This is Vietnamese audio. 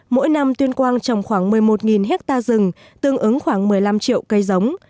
mỗi năm tuyên quang trồng khoảng một mươi một hectare rừng tương ứng khoảng một mươi năm triệu cây giống